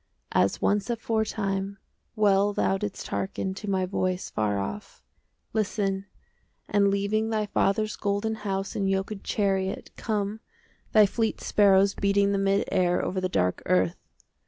As once aforetime Well thou didst hearken To my voice far off,— Listen, and leaving 10 Thy father's golden House in yoked chariot, Come, thy fleet sparrows Beating the mid air Over the dark earth.